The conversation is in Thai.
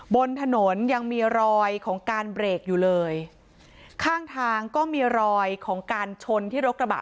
บนถนนยังมีรอยของการเบรกอยู่เลยข้างทางก็มีรอยของการชนที่รถกระบะ